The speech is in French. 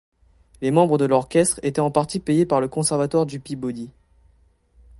Les membres de l'orchestre étaient en partie payés par le conservatoire du Peabody.